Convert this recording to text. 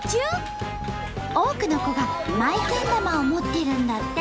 多くの子が「Ｍｙけん玉」を持ってるんだって！